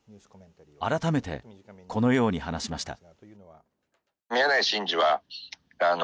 改めて、このように話しました。